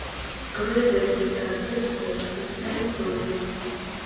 გვერდებზე გასდევს ვერცხლისფერი ზოლი.